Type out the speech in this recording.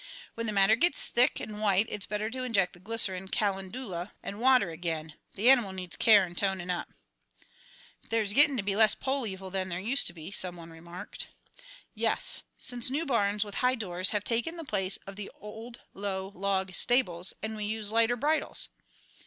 When the matter gets thick 'nd white it's better to inject the glycerine, calendula and water again. The animal needs care 'nd tonin' up." "There is getting to be less poll evil than there used to be," some one remarked. "Yes, since new barns with high doors have taken the place of the old, low log stables; and we use lighter bridles."